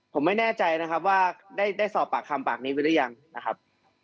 ผมไม่แน่ใจนะครับว่าได้สอบปากคำปากนี้ไว้หรือยังนะครับ